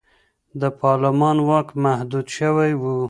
د پارلمان واک محدود شوی و.